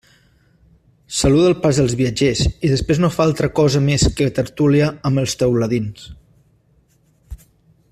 Saluda el pas dels viatgers i després no fa altra cosa més que tertúlia amb els teuladins.